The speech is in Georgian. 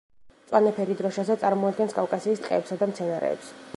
მწვანე ფერი დროშაზე, წარმოადგენს კავკასიის ტყეებსა და მცენარეებს.